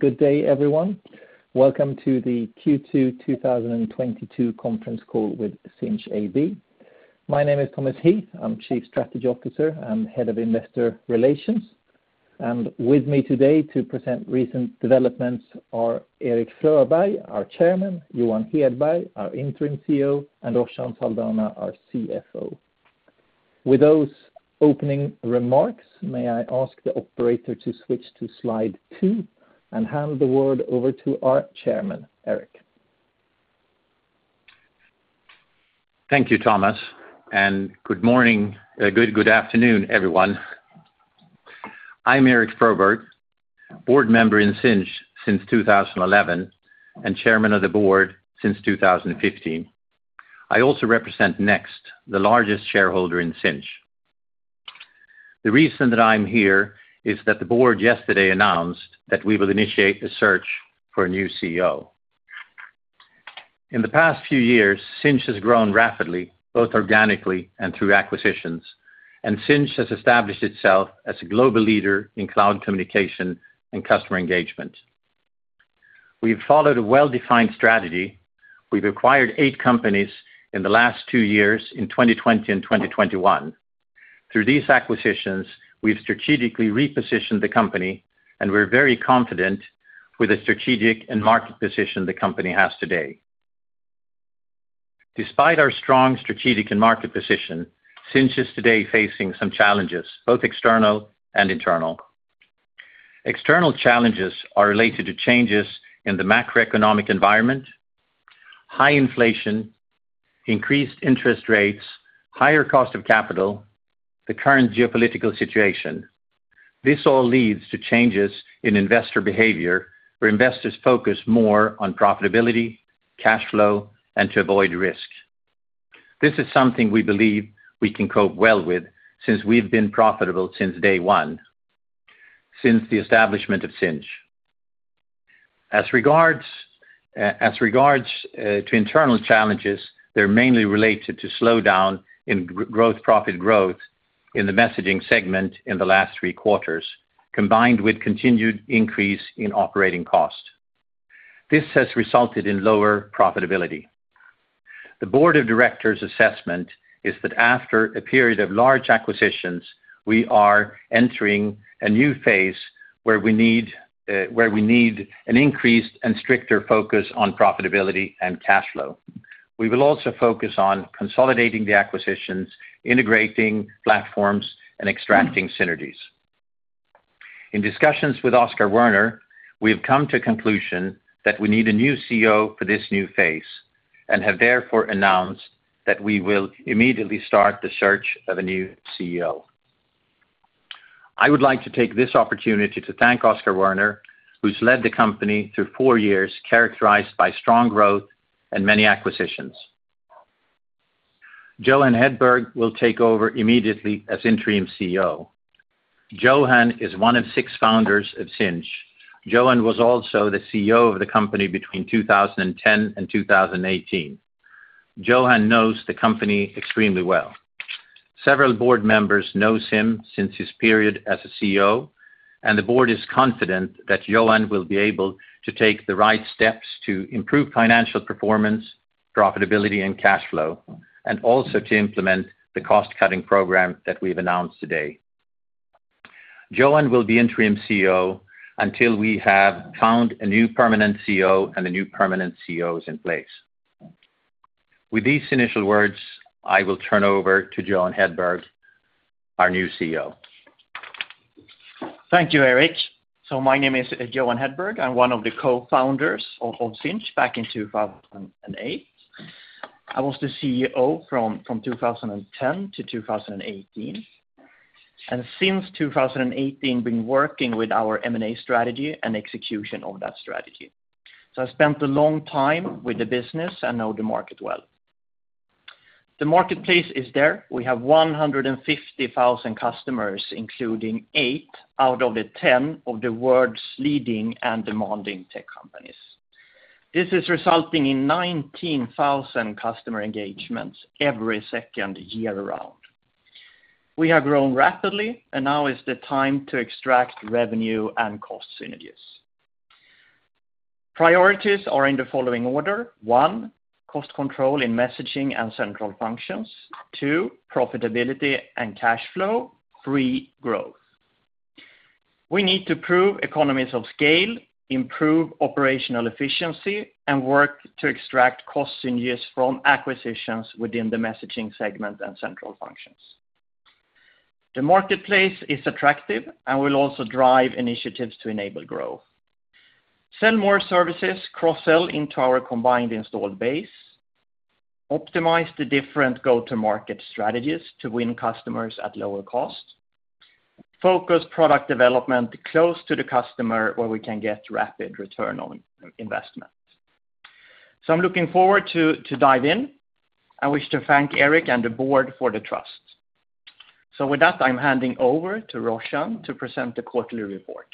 Good day, everyone. Welcome to the Q2 2022 conference call with Sinch AB. My name is Thomas Heath. I'm Chief Strategy Officer and Head of Investor Relations. With me today to present recent developments are Erik Fröberg, our Chairman, Johan Hedberg, our Interim CEO, and Roshan Saldanha, our CFO. With those opening remarks, may I ask the operator to switch to slide two and hand the word over to our Chairman, Erik. Thank you, Thomas, and good morning. Good afternoon, everyone. I'm Erik Fröberg, board member in Sinch since 2011 and Chairman of the Board since 2015. I also represent Neqst, the largest shareholder in Sinch. The reason that I'm here is that the board yesterday announced that we will initiate a search for a new CEO. In the past few years, Sinch has grown rapidly, both organically and through acquisitions. Sinch has established itself as a global leader in cloud communication and customer engagement. We've followed a well-defined strategy. We've acquired eight companies in the last two years, in 2020 and 2021. Through these acquisitions, we've strategically repositioned the company, and we're very confident with the strategic and market position the company has today. Despite our strong strategic and market position, Sinch is today facing some challenges, both external and internal. External challenges are related to changes in the macroeconomic environment, high inflation, increased interest rates, higher cost of capital, the current geopolitical situation. This all leads to changes in investor behavior, where investors focus more on profitability, cash flow, and to avoid risk. This is something we believe we can cope well with since we've been profitable since day one, since the establishment of Sinch. As regards to internal challenges, they're mainly related to slowdown in growth, profit growth in the messaging segment in the last three quarters, combined with continued increase in operating costs. This has resulted in lower profitability. The board of directors assessment is that after a period of large acquisitions, we are entering a new phase where we need an increased and stricter focus on profitability and cash flow. We will also focus on consolidating the acquisitions, integrating platforms, and extracting synergies. In discussions with Oscar Werner, we have come to conclusion that we need a new CEO for this new phase and have therefore announced that we will immediately start the search of a new CEO. I would like to take this opportunity to thank Oscar Werner, who's led the company through four years characterized by strong growth and many acquisitions. Johan Hedberg will take over immediately as interim CEO. Johan is one of six founders of Sinch. Johan was also the CEO of the company between 2010 and 2018. Johan knows the company extremely well. Several board members know him since his period as a CEO, and the board is confident that Johan will be able to take the right steps to improve financial performance, profitability, and cash flow, and also to implement the cost-cutting program that we've announced today. Johan will be interim CEO until we have found a new permanent CEO and a new permanent CEO is in place. With these initial words, I will turn over to Johan Hedberg, our new CEO. Thank you, Erik Fröberg. My name is Johan Hedberg. I'm one of the co-founders of Sinch back in 2008. I was the CEO from 2010 to 2018. Since 2018, been working with our M&A strategy and execution of that strategy. I spent a long time with the business and know the market well. The marketplace is there. We have 150,000 customers, including eight out of the 10 of the world's leading and demanding tech companies. This is resulting in 19,000 customer engagements every second year round. We have grown rapidly, and now is the time to extract revenue and cost synergies. Priorities are in the following order. One, cost control in messaging and central functions. Two, profitability and cash flow. Three, growth. We need to prove economies of scale, improve operational efficiency, and work to extract cost synergies from acquisitions within the messaging segment and central functions. The marketplace is attractive and will also drive initiatives to enable growth. Sell more services, cross-sell into our combined installed base. Optimize the different go-to-market strategies to win customers at lower cost. Focus product development close to the customer where we can get rapid return on investment. I'm looking forward to dive in. I wish to thank Erik and the board for the trust. With that, I'm handing over to Roshan to present the quarterly report.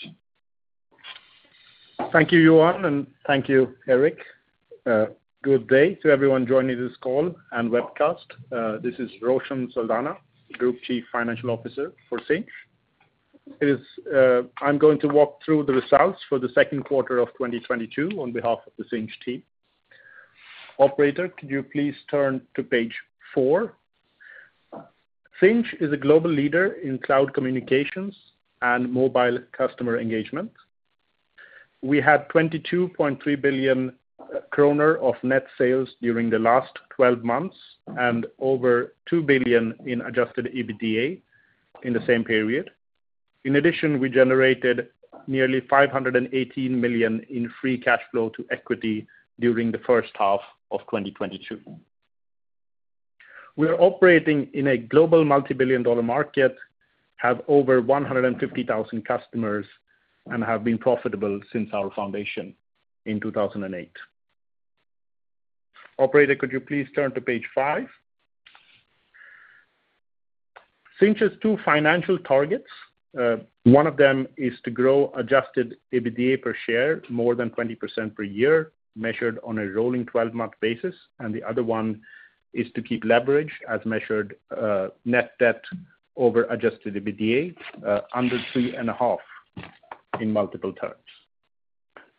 Thank you, Johan, and thank you, Erik. Good day to everyone joining this call and webcast. This is Roshan Saldanha, Group Chief Financial Officer for Sinch. I'm going to walk through the results for the second quarter of 2022 on behalf of the Sinch team. Operator, could you please turn to page four. Sinch is a global leader in cloud communications and mobile customer engagement. We had 22.3 billion kronor of net sales during the last twelve months and over 2 billion in adjusted EBITDA in the same period. In addition, we generated nearly 518 million in free cash flow to equity during the first half of 2022. We are operating in a global multi-billion dollar market, have over 150,000 customers, and have been profitable since our foundation in 2008. Operator, could you please turn to page five. Sinch's two financial targets, one of them is to grow adjusted EBITDA per share more than 20% per year, measured on a rolling 12-month basis. The other one is to keep leverage as measured, net debt over adjusted EBITDA, under 3.5x.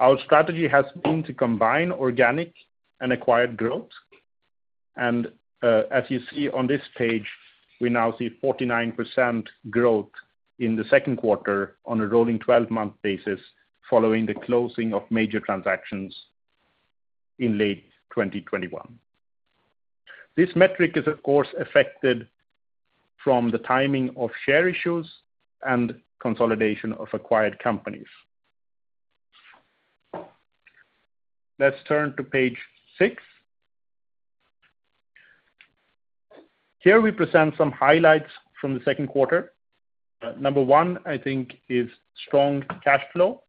Our strategy has been to combine organic and acquired growth. As you see on this page, we now see 49% growth in the second quarter on a rolling 12-month basis following the closing of major transactions in late 2021. This metric is, of course, affected from the timing of share issues and consolidation of acquired companies. Let's turn to page six. Here we present some highlights from the second quarter. Number one, I think, is strong cash flow.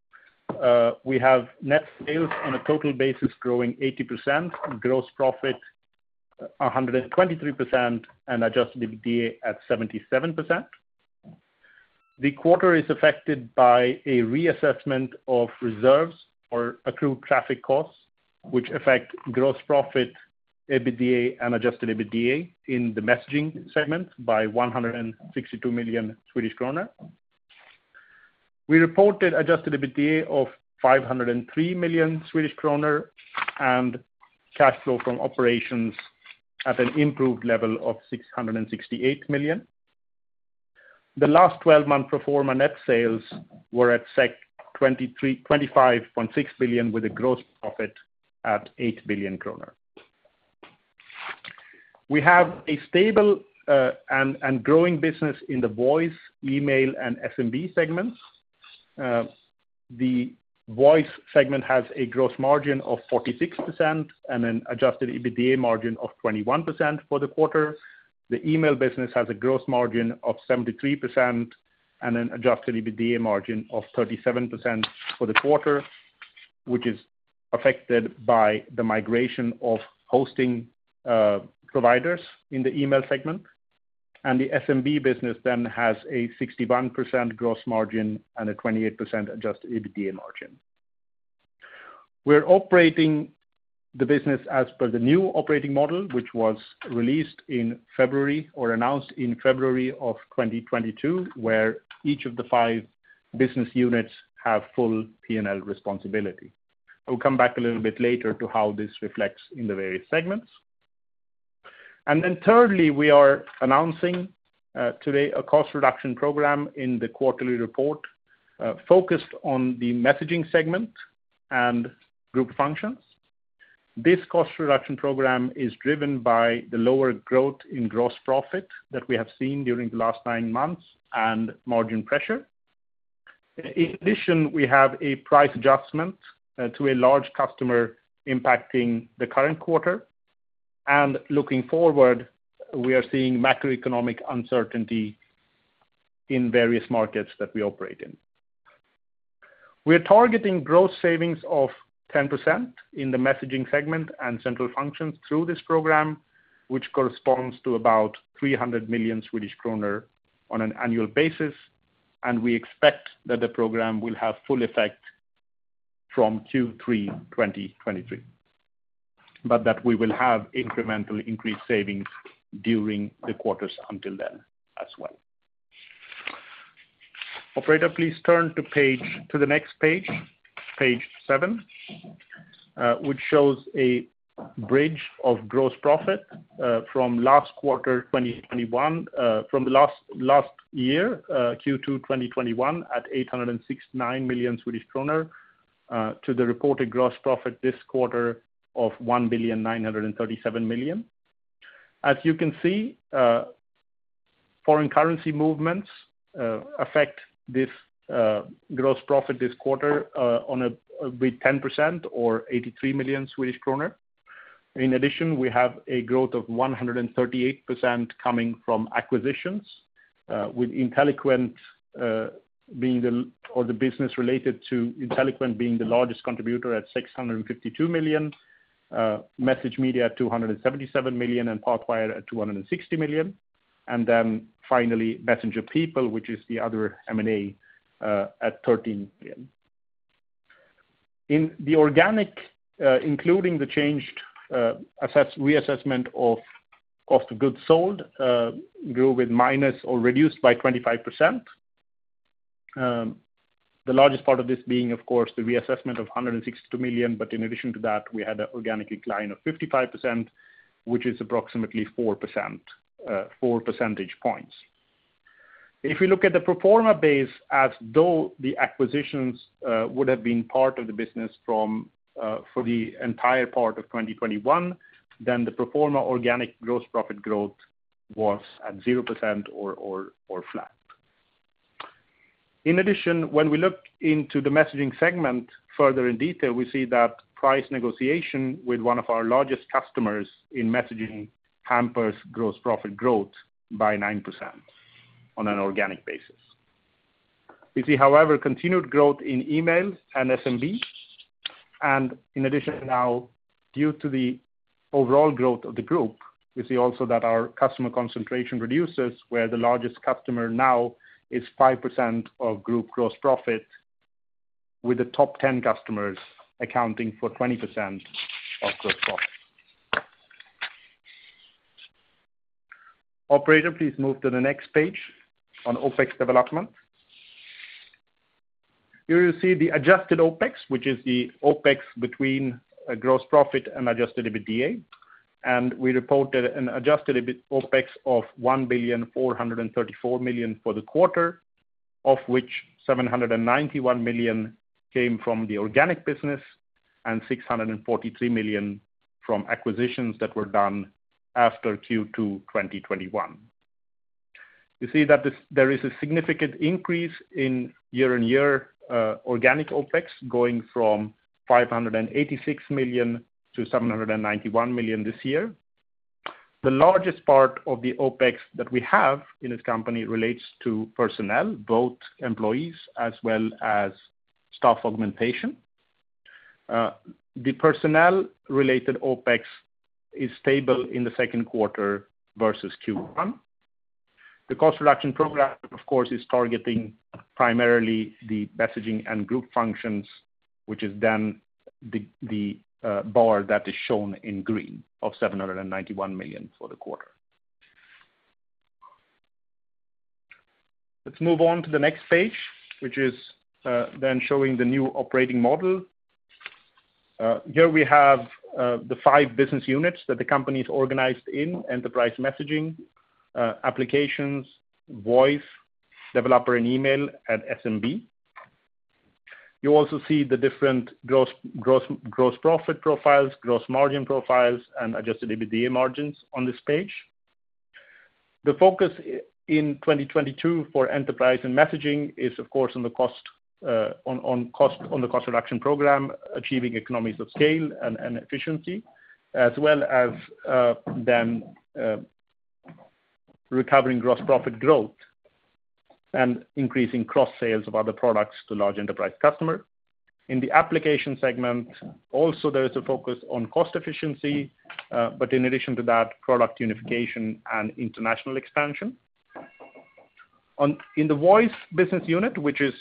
We have net sales on a total basis growing 80%, gross profit 123%, and adjusted EBITDA at 77%. The quarter is affected by a reassessment of reserves or accrued traffic costs, which affect gross profit, EBITDA, and adjusted EBITDA in the messaging segment by 162 million Swedish kronor. We reported adjusted EBITDA of 503 million Swedish kronor and cash flow from operations at an improved level of 668 million. The last 12-month performance net sales were at 25.6 billion with a gross profit at 8 billion kronor. We have a stable and growing business in the voice, email, and SMB segments. The voice segment has a gross margin of 46% and an adjusted EBITDA margin of 21% for the quarter. The email business has a gross margin of 73% and an adjusted EBITDA margin of 37% for the quarter, which is affected by the migration of hosting providers in the email segment. The SMB business then has a 61% gross margin and a 28% adjusted EBITDA margin. We're operating the business as per the new operating model which was released in February or announced in February of 2022, where each of the five business units have full P&L responsibility. I'll come back a little bit later to how this reflects in the various segments. Thirdly, we are announcing today a cost reduction program in the quarterly report, focused on the messaging segment and group functions. This cost reduction program is driven by the lower growth in gross profit that we have seen during the last nine months and margin pressure. In addition, we have a price adjustment to a large customer impacting the current quarter. Looking forward, we are seeing macroeconomic uncertainty in various markets that we operate in. We are targeting gross savings of 10% in the messaging segment and central functions through this program, which corresponds to about 300 million Swedish kronor an annual basis, and we expect that the program will have full effect from Q3 2023, but that we will have incremental increased savings during the quarters until then as well. Operator, please turn to page. To the next page seven, which shows a bridge of gross profit from last quarter 2021, from the last year, Q2 2021 at 869 million Swedish kronor to the reported gross profit this quarter of 1,937 million. As you can see, foreign currency movements affect this gross profit this quarter on a big 10% or 83 million Swedish kronor. In addition, we have a growth of 138% coming from acquisitions with Inteliquent, or the business related to Inteliquent being the largest contributor at 652 million, MessageMedia at 277 million, and Pathwire at 260 million. Finally, MessengerPeople, which is the other M&A, at 13 million. In the organic, including the changed reassessment of cost of goods sold, grew with minus or reduced by 25%. The largest part of this being, of course, the reassessment of 162 million, but in addition to that, we had an organic decline of 55%, which is approximately four percentage points. If you look at the pro forma base as though the acquisitions would have been part of the business from for the entire part of 2021, then the pro forma organic gross profit growth was at 0% or flat. In addition, when we look into the messaging segment further in detail, we see that price negotiation with one of our largest customers in messaging hampers gross profit growth by 9% on an organic basis. We see, however, continued growth in email and SMB. In addition now, due to the overall growth of the group, we see also that our customer concentration reduces where the largest customer now is 5% of group gross profit, with the top 10 customers accounting for 20% of gross profit. Operator, please move to the next page on OpEx development. Here you see the adjusted OpEx, which is the OpEx between a gross profit and adjusted EBITDA. We reported an adjusted EBITDA OpEx of 1,434 million for the quarter, of which 791 million came from the organic business and 643 million from acquisitions that were done after Q2 2021. You see that there is a significant increase in year-on-year organic OpEx going from 586 million to 791 million this year. The largest part of the OpEx that we have in this company relates to personnel, both employees as well as staff augmentation. The personnel related OpEx is stable in the second quarter versus Q1. The cost reduction program, of course, is targeting primarily the messaging and group functions, which is then the bar that is shown in green of 791 million for the quarter. Let's move on to the next page, which is then showing the new operating model. Here we have the five business units that the company is organized in, enterprise messaging, applications, voice, developer and email, and SMB. You also see the different gross profit profiles, gross margin profiles, and adjusted EBITDA margins on this page. The focus in 2022 for enterprise and messaging is of course on the cost reduction program, achieving economies of scale and efficiency, as well as recovering gross profit growth and increasing cross-sales of other products to large enterprise customers. In the application segment, also there is a focus on cost efficiency, but in addition to that, product unification and international expansion. In the voice business unit, which is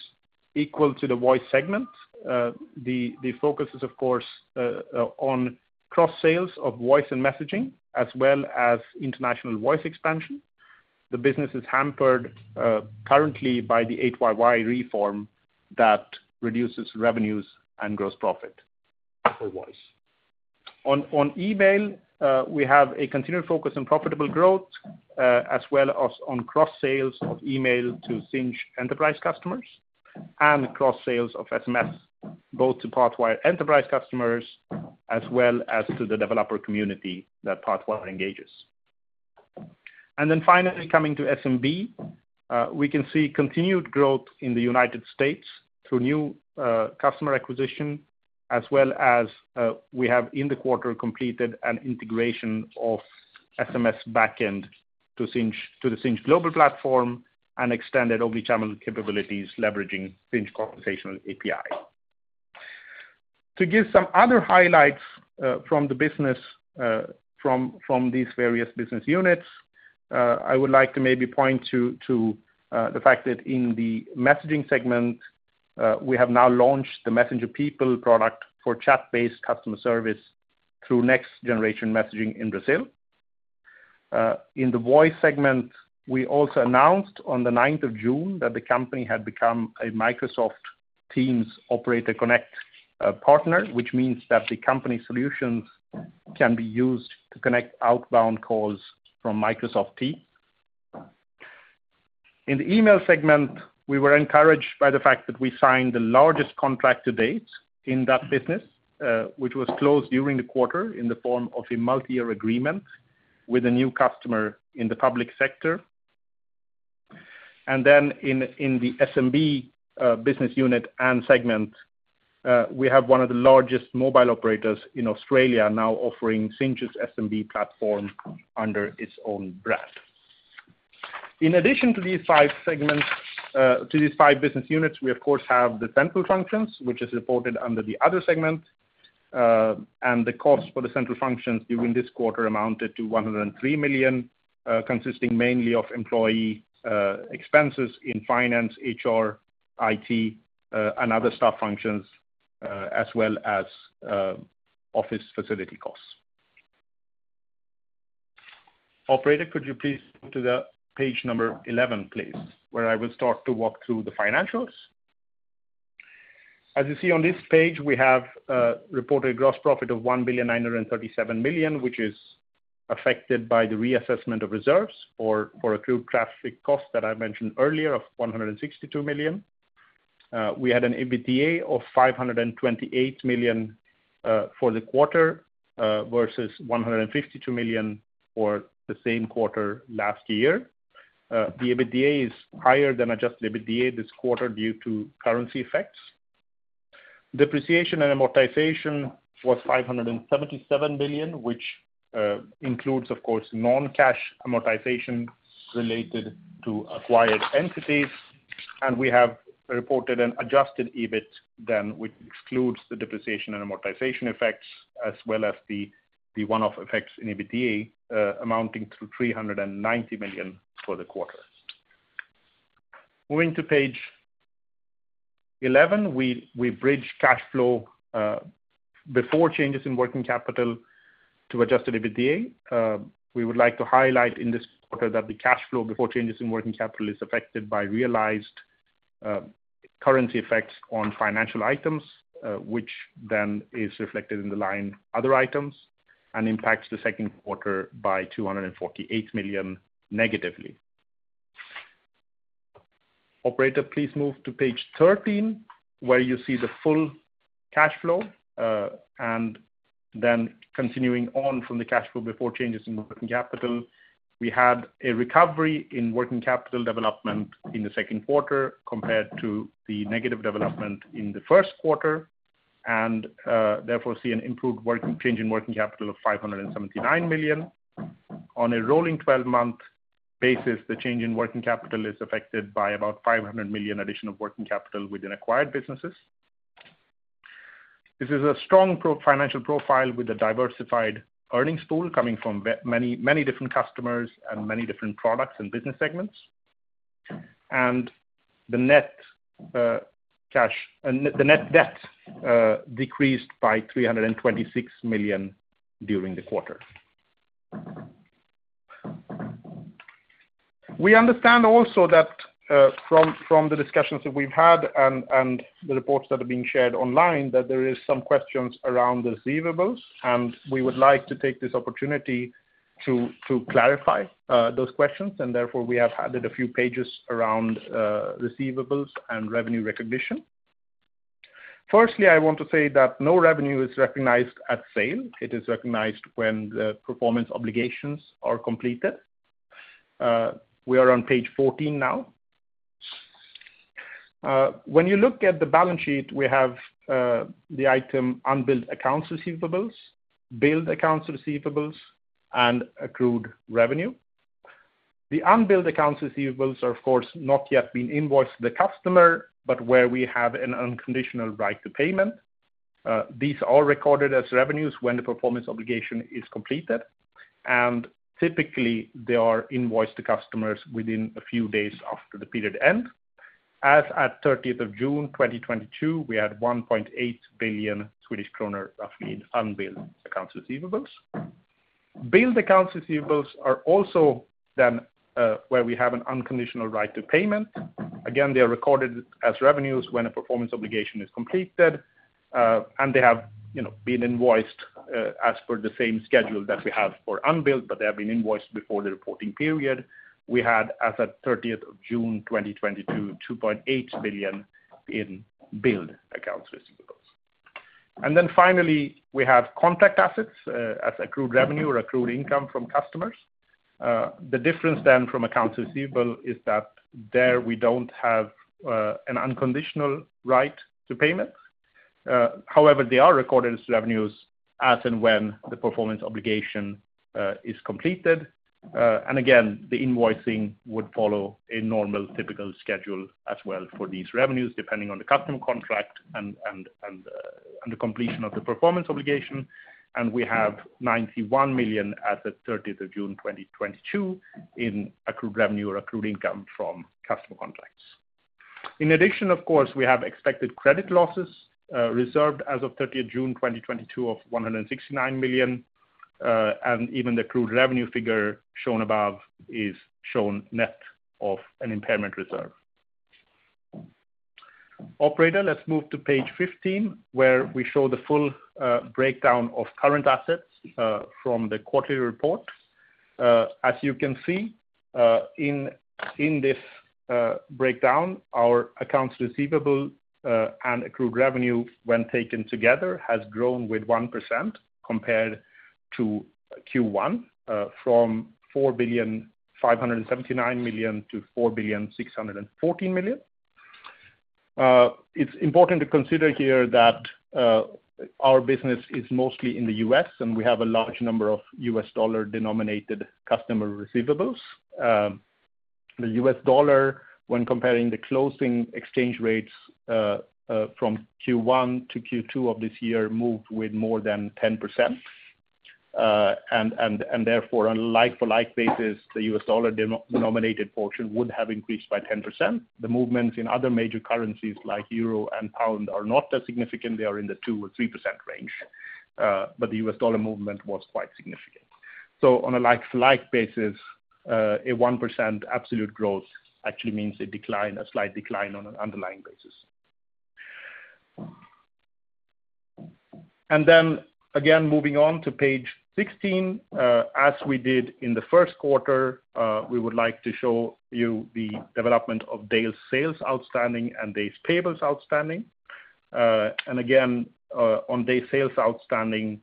equal to the voice segment, the focus is of course on cross-sales of voice and messaging, as well as international voice expansion. The business is hampered currently by the 8YY reform that reduces revenues and gross profit for voice. On email, we have a continued focus on profitable growth, as well as on cross-sales of email to Sinch enterprise customers and cross-sales of SMS, both to Pathwire enterprise customers as well as to the developer community that Pathwire engages. Finally coming to SMB, we can see continued growth in the United States through new customer acquisition, as well as we have in the quarter completed an integration of SMS backend to the Sinch global platform and extended omnichannel capabilities leveraging Sinch Conversation API. To give some other highlights from the business, from these various business units, I would like to maybe point to the fact that in the messaging segment, we have now launched the MessengerPeople product for chat-based customer service through next generation messaging in Brazil. In the voice segment, we also announced on the 9th of June that the company had become a Microsoft Teams Operator Connect partner, which means that the company solutions can be used to connect outbound calls from Microsoft Teams. In the email segment, we were encouraged by the fact that we signed the largest contract to date in that business, which was closed during the quarter in the form of a multi-year agreement with a new customer in the public sector. In the SMB business unit and segment, we have one of the largest mobile operators in Australia now offering Sinch's SMB platform under its own brand. In addition to these five business units, we of course have the central functions, which are reported under the other segment. The cost for the central functions during this quarter amounted to 103 million, consisting mainly of employee expenses in finance, HR, IT, and other staff functions, as well as office facility costs. Operator, could you please go to page 11, please, where I will start to walk through the financials. As you see on this page, we have reported gross profit of 1,937 million, which is affected by the reassessment of reserves for accrued traffic costs that I mentioned earlier of 162 million. We had an EBITDA of 528 million for the quarter versus 152 million for the same quarter last year. The EBITDA is higher than adjusted EBITDA this quarter due to currency effects. Depreciation and amortization was 577 million, which includes of course non-cash amortization related to acquired entities. We have reported an adjusted EBIT then, which excludes the depreciation and amortization effects as well as the one-off effects in EBITDA amounting to 390 million for the quarter. Moving to page 11, we bridge cash flow before changes in working capital to adjusted EBITDA. We would like to highlight in this quarter that the cash flow before changes in working capital is affected by realized currency effects on financial items, which then is reflected in the line other items and impacts the second quarter by 248 million negatively. Operator, please move to page 13, where you see the full cash flow, and then continuing on from the cash flow before changes in working capital. We had a recovery in working capital development in the second quarter compared to the negative development in the first quarter and therefore see an improved change in working capital of 579 million. On a rolling 12-month basis, the change in working capital is affected by about 500 million addition of working capital within acquired businesses. This is a strong pro forma financial profile with a diversified earnings pool coming from many, many different customers and many different products and business segments. The net debt decreased by 326 million during the quarter. We understand also that from the discussions that we've had and the reports that are being shared online, that there is some questions around the receivables, and we would like to take this opportunity to clarify those questions, and therefore we have added a few pages around receivables and revenue recognition. Firstly, I want to say that no revenue is recognized at sale. It is recognized when the performance obligations are completed. We are on page 14 now. When you look at the balance sheet, we have the item unbilled accounts receivable, billed accounts receivable, and accrued revenue. The unbilled accounts receivable are of course not yet been invoiced to the customer, but where we have an unconditional right to payment. These are recorded as revenues when the performance obligation is completed, and typically, they are invoiced to customers within a few days after the period end. As at 30th of June 2022, we had 1.8 billion Swedish kronor of the unbilled accounts receivable. Billed accounts receivable are also then where we have an unconditional right to payment. Again, they are recorded as revenues when a performance obligation is completed, and they have, you know, been invoiced as per the same schedule that we have for unbilled, but they have been invoiced before the reporting period. We had, as at thirtieth of June 2022, 2.8 billion in billed accounts receivables. Then finally, we have contract assets as accrued revenue or accrued income from customers. The difference then from accounts receivable is that there we don't have an unconditional right to payment. However, they are recorded as revenues as and when the performance obligation is completed. And again, the invoicing would follow a normal typical schedule as well for these revenues, depending on the customer contract and the completion of the performance obligation. We have 91 million as at thirtieth of June 2022 in accrued revenue or accrued income from customer contracts. In addition, of course, we have expected credit losses reserved as of thirtieth of June 2022 of 169 million. Even the accrued revenue figure shown above is shown net of an impairment reserve. Operator, let's move to page 15, where we show the full breakdown of current assets from the quarterly report. As you can see, in this breakdown, our accounts receivable and accrued revenue when taken together has grown with 1% compared to Q1 from 4,579 million to 4,614 million. It's important to consider here that our business is mostly in the U.S., and we have a large number of U.S. dollar-denominated customer receivables. The U.S. dollar when comparing the closing exchange rates from Q1 to Q2 of this year moved with more than 10%. Therefore, on a like-for-like basis, the U.S. dollar denominated portion would have increased by 10%. The movements in other major currencies like euro and pound are not as significant. They are in the 2% or 3% range, but the U.S. Dollar movement was quite significant. On a like-for-like basis, a 1% absolute growth actually means a decline, a slight decline on an underlying basis. Then again, moving on to page 16, as we did in the first quarter, we would like to show you the development of days sales outstanding and days payables outstanding. Again, on day sales outstanding,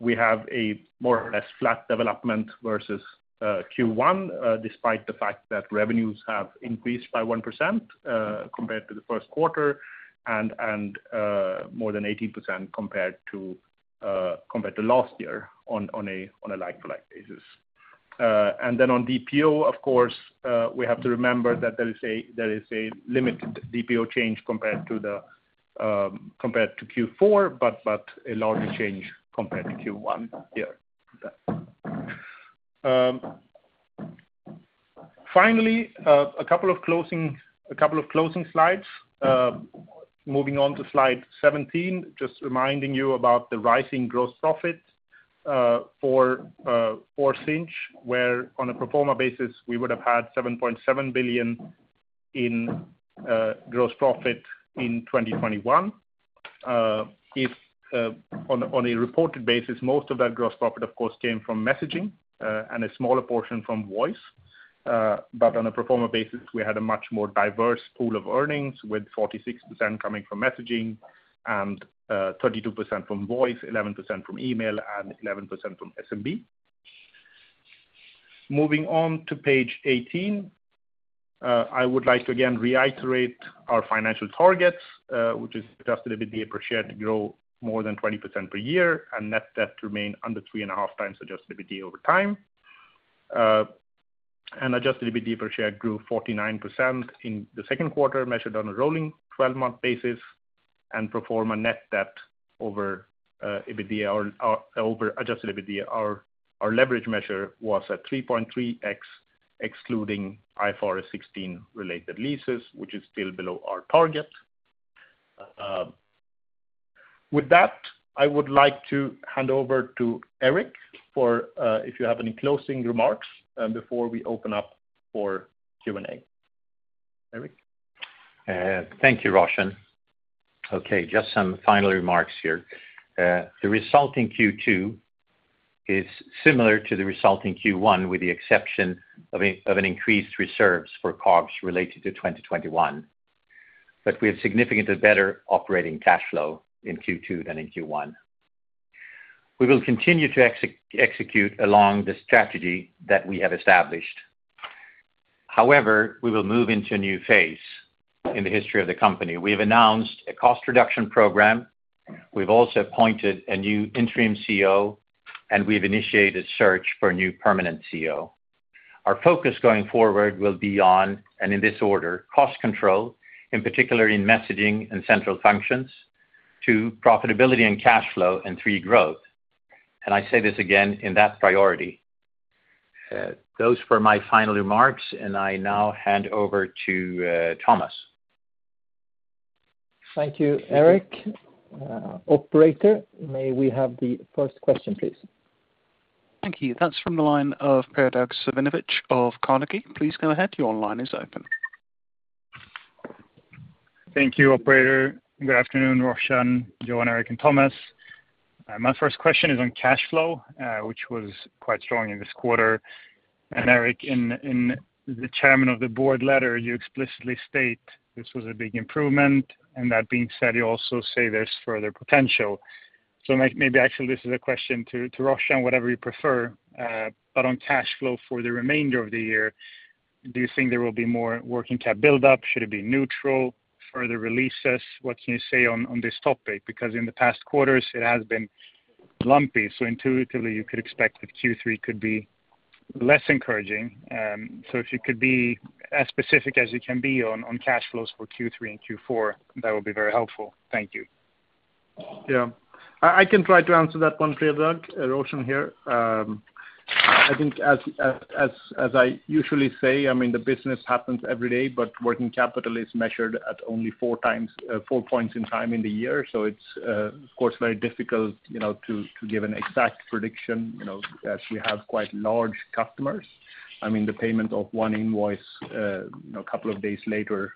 we have a more or less flat development versus Q1, despite the fact that revenues have increased by 1% compared to the first quarter and more than 18% compared to last year on a like-for-like basis. On DPO, of course, we have to remember that there is a limited DPO change compared to Q4, but a larger change compared to Q1 here. Finally, a couple of closing slides. Moving on to slide 17, just reminding you about the rising gross profit for Sinch, where on a pro forma basis we would have had 7.7 billion in gross profit in 2021. On a reported basis, most of that gross profit of course came from messaging, and a smaller portion from voice. On a pro forma basis, we had a much more diverse pool of earnings, with 46% coming from messaging and 32% from voice, 11% from email and 11% from SMB. Moving on to page 18, I would like to again reiterate our financial targets, which is adjusted EBITDA per share to grow more than 20% per year and net debt remain under 3.5 times adjusted EBITDA over time. Adjusted EBITDA per share grew 49% in the second quarter, measured on a rolling 12-month basis and pro forma net debt over EBITDA or over adjusted EBITDA. Our leverage measure was at 3.3x, excluding IFRS 16 related leases, which is still below our target. With that, I would like to hand over to Erik if you have any closing remarks before we open up for Q&A. Erik? Thank you, Roshan. Okay, just some final remarks here. The result in Q2 is similar to the result in Q1, with the exception of an increased reserves for COGS related to 2021. We have significantly better operating cash flow in Q2 than in Q1. We will continue to execute along the strategy that we have established. However, we will move into a new phase in the history of the company. We have announced a cost reduction program. We have also appointed a new interim CEO, and we have initiated search for a new permanent CEO. Our focus going forward will be on, and in this order, cost control, in particular in messaging and central functions, two profitability and cash flow, and three, growth. I say this again in that priority. Those were my final remarks, and I now hand over to Thomas. Thank you, Erik. Operator, may we have the first question, please? Thank you. That's from the line of Priyadarshan Sabnavis of Carnegie. Please go ahead. Your line is open. Thank you, operator. Good afternoon, Roshan, Johan, Erik, and Thomas. My first question is on cash flow, which was quite strong in this quarter. Erik, in the chairman of the board letter, you explicitly state this was a big improvement. That being said, you also say there's further potential. Maybe actually this is a question to Roshan, whatever you prefer. On cash flow for the remainder of the year, do you think there will be more working cap build up? Should it be neutral? Further releases? What can you say on this topic? Because in the past quarters it has been lumpy, so intuitively you could expect that Q3 could be less encouraging. If you could be as specific as you can be on cash flows for Q3 and Q4, that would be very helpful. Thank you. Yeah. I can try to answer that one, Priyadarshan. Roshan here. I think as I usually say, I mean, the business happens every day, but working capital is measured at only four times, four points in time in the year. It's of course, very difficult, you know, to give an exact prediction, you know. As we have quite large customers, I mean, the payment of one invoice, you know, a couple of days later,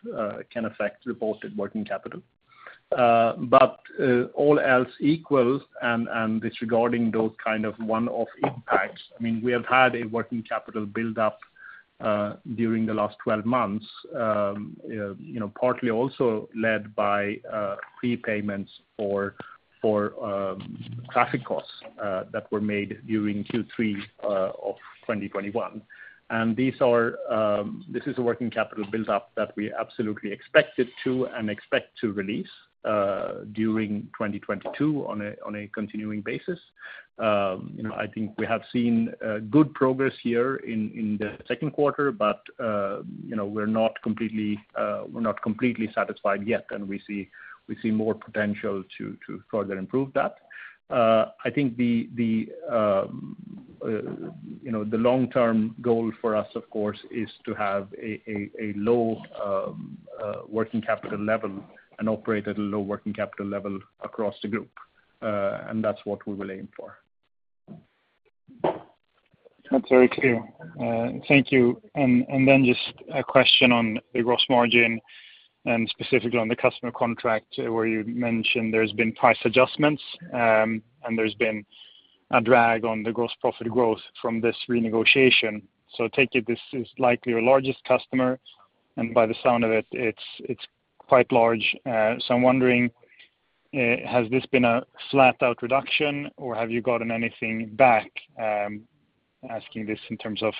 can affect reported working capital. All else equals and, disregarding those kind of one-off impacts, I mean, we have had a working capital build up, during the last 12 months, you know, partly also led by, prepayments for traffic costs, that were made during Q3 of 2021. These are this is a working capital buildup that we absolutely expected to and expect to release during 2022 on a continuing basis. You know, I think we have seen good progress here in the second quarter, but you know, we're not completely satisfied yet, and we see more potential to further improve that. I think the you know, the long-term goal for us, of course, is to have a low working capital level and operate at a low working capital level across the group. That's what we will aim for. That's very clear. Thank you. Just a question on the gross margin and specifically on the customer contract where you mentioned there's been price adjustments, and there's been a drag on the gross profit growth from this renegotiation. I take it this is likely your largest customer, and by the sound of it's quite large. I'm wondering, has this been a flat out reduction, or have you gotten anything back? Asking this in terms of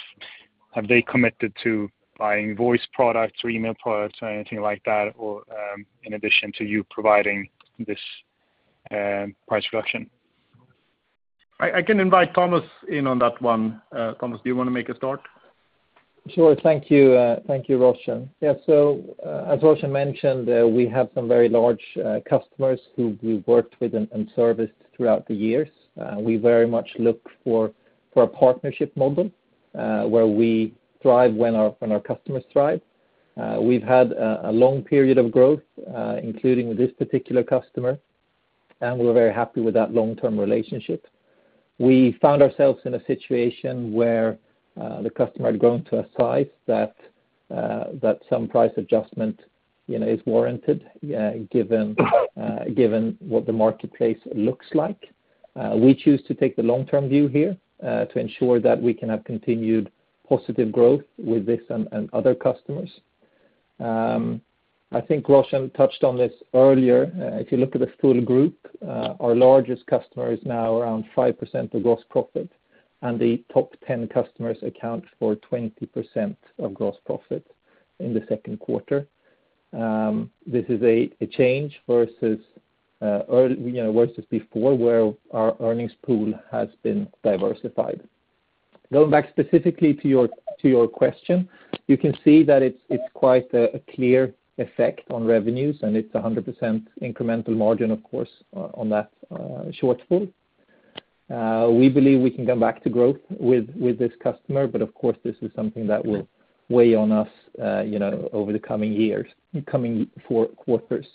have they committed to buying voice products or email products or anything like that or, in addition to you providing this, price reduction? I can invite Thomas in on that one. Thomas, do you wanna make a start? Sure. Thank you. Thank you, Roshan. Yeah. As Roshan mentioned, we have some very large customers who we've worked with and serviced throughout the years. We very much look for a partnership model where we thrive when our customers thrive. We've had a long period of growth, including with this particular customer, and we're very happy with that long-term relationship. We found ourselves in a situation where the customer had grown to a size that some price adjustment, you know, is warranted, given what the marketplace looks like. We choose to take the long-term view here to ensure that we can have continued positive growth with this and other customers. I think Roshan touched on this earlier. If you look at the full group, our largest customer is now around 5% of gross profit, and the top 10 customers account for 20% of gross profit in the second quarter. This is a change versus, you know, versus before, where our earnings pool has been diversified. Going back specifically to your question, you can see that it's quite a clear effect on revenues, and it's a 100% incremental margin, of course, on that shortfall. We believe we can come back to growth with this customer, but of course, this is something that will weigh on us, you know, over the coming years and coming four quarters.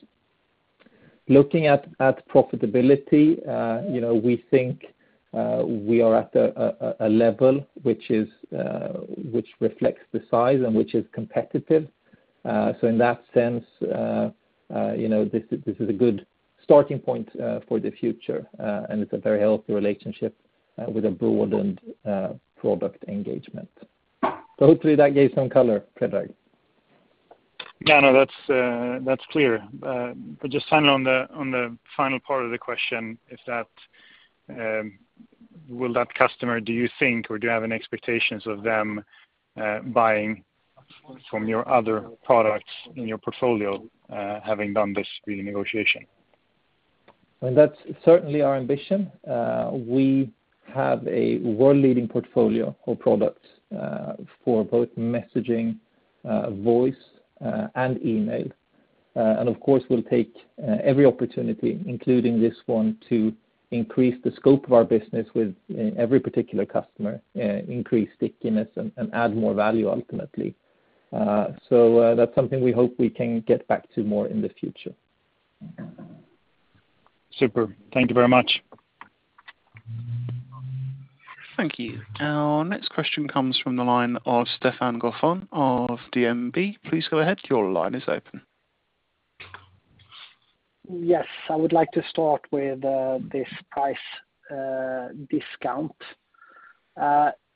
Looking at profitability, you know, we think we are at a level which reflects the size and which is competitive. In that sense, you know, this is a good starting point for the future, and it's a very healthy relationship with a broadened product engagement. Hopefully that gave some color, Priyadarshan Sabnavis. Yeah, no, that's clear. Just finally on the final part of the question, will that customer, do you think, or do you have any expectations of them buying from your other products in your portfolio, having done this renegotiation? Well, that's certainly our ambition. We have a world-leading portfolio of products for both messaging, voice, and email. Of course, we'll take every opportunity, including this one, to increase the scope of our business with every particular customer, increase stickiness and add more value ultimately. That's something we hope we can get back to more in the future. Super. Thank you very much. Thank you. Our next question comes from the line of Stefan Gauffin of DNB. Please go ahead. Your line is open. Yes. I would like to start with this price discount.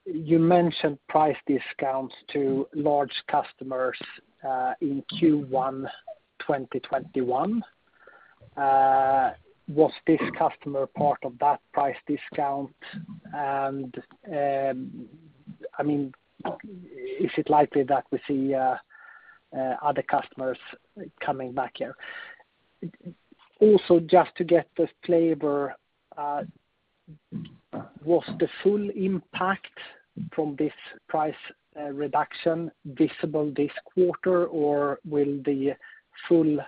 You mentioned price discounts to large customers in Q1 2021. Was this customer part of that price discount? I mean, is it likely that we see other customers coming back here? Also, just to get the flavor, was the full impact from this price reduction visible this quarter, or will the full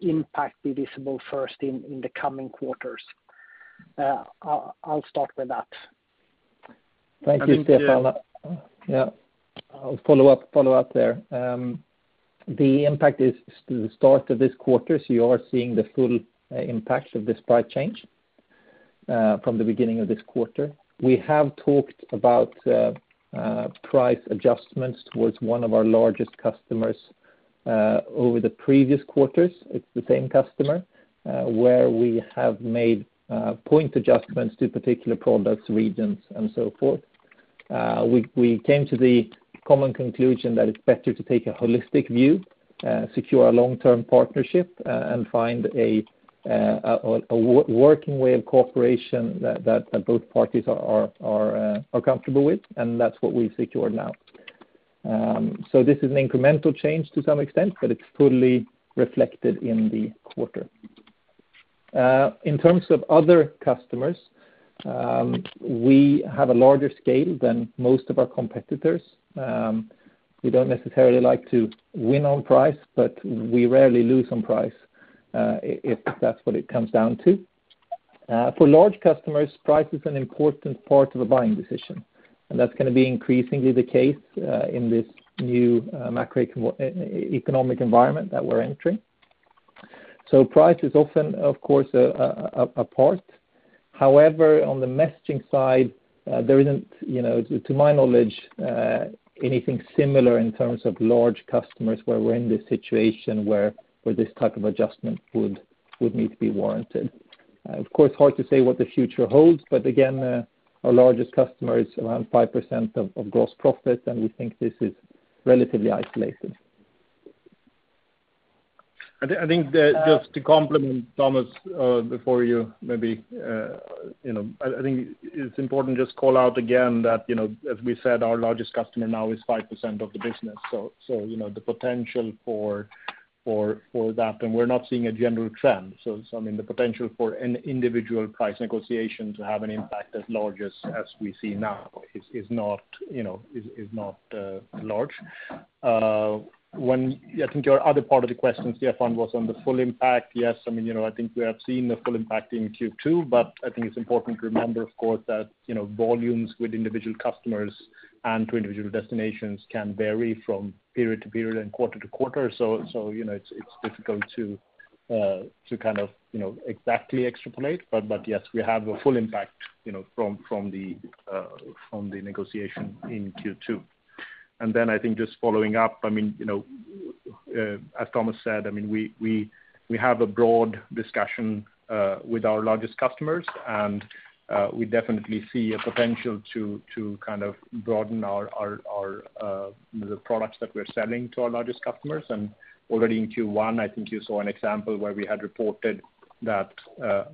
impact be visible first in the coming quarters? I'll start with that. Thank you, Stefan. I mean. Yeah. I'll follow up there. The impact is to the start of this quarter, so you are seeing the full impact of this price change from the beginning of this quarter. We have talked about price adjustments towards one of our largest customers over the previous quarters. It's the same customer where we have made point adjustments to particular products, regions, and so forth. We came to the common conclusion that it's better to take a holistic view, secure a long-term partnership, and find a working way of cooperation that both parties are comfortable with, and that's what we've secured now. This is an incremental change to some extent, but it's fully reflected in the quarter. In terms of other customers, we have a larger scale than most of our competitors. We don't necessarily like to win on price, but we rarely lose on price, if that's what it comes down to. For large customers, price is an important part of a buying decision, and that's gonna be increasingly the case, in this new, macro economic environment that we're entering. Price is often, of course, a part. However, on the messaging side, there isn't, you know, to my knowledge, anything similar in terms of large customers where we're in this situation where this type of adjustment would need to be warranted. Of course, hard to say what the future holds, but again, our largest customer is around 5% of gross profit, and we think this is relatively isolated. I think that just to complement Thomas, before you maybe, you know, I think it's important just to call out again that, you know, as we said, our largest customer now is 5% of the business. You know, the potential for that, and we're not seeing a general trend. I mean, the potential for an individual price negotiation to have an impact as large as we see now is not, you know, large. I think your other part of the question, Stefan, was on the full impact. Yes. I mean, you know, I think we have seen the full impact in Q2, but I think it's important to remember, of course, that, you know, volumes with individual customers and to individual destinations can vary from period to period and quarter-to-quarter. You know, it's difficult to kind of, you know, exactly extrapolate. Yes, we have a full impact, you know, from the negotiation in Q2. I think just following up, I mean, you know, as Thomas said, I mean, we have a broad discussion with our largest customers, and we definitely see a potential to kind of broaden our the products that we're selling to our largest customers. Already in Q1, I think you saw an example where we had reported that